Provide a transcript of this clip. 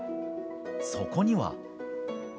そこには。